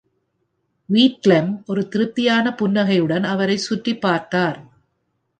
ட்வீட்லெம் ஒரு திருப்தியான புன்னகையுடன் அவரைச் சுற்றிப் பார்த்தார்.